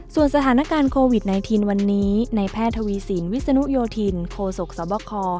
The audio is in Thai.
ส่วนสถานการณ์โควิด๑๙วันนี้ในแพทย์ทวีสินวิศนุโยธินโคศกสบค